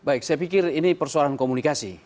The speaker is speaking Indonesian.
baik saya pikir ini persoalan komunikasi